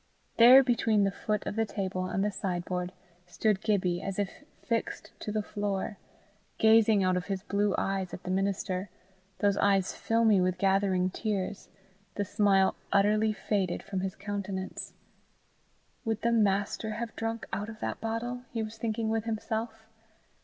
There, between the foot of the table and the sideboard, stood Gibbie as if fixed to the floor gazing out of his blue eyes at the minister those eyes filmy with gathering tears, the smile utterly faded from his countenance. Would the Master have drunk out of that bottle? he was thinking with himself.